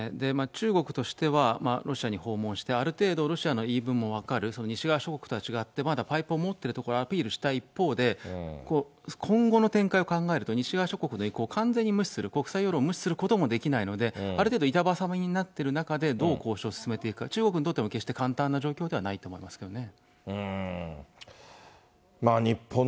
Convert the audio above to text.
中国としてはロシアに訪問して、ある程度、ロシアの言い分も分かる、西側諸国とは違って、まだパイプを持っているところをアピールした一方で、今後の展開を考えると、西側諸国の意向を完全に無視する、国際世論を完全に無視することもできないので、ある程度板挟みになってる中で、どう交渉を進めていくか、決して簡単な状況ではないと思いますけどね。